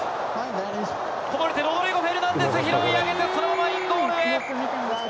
こぼれて、ロドリゴ・フェルナンデス、拾い上げて、そのままコーナーへ。